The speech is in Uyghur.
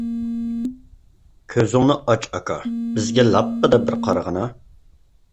كۆزۈڭنى ئاچ، ئاكا، بىزگە لاپپىدە بىر قارىغىنا!